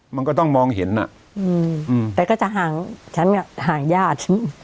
มันก็ต้องมองเห็นอ่ะอืมอืมแต่ก็จะห่างฉันห่างญาติ